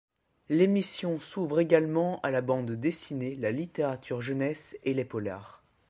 L'émission s'ouvre également à la bande dessinée, la littérature jeunesse et les polars.